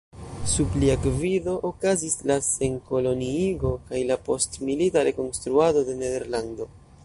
Sub lia gvido okazis la senkoloniigo kaj la postmilita rekonstruado de Nederlando.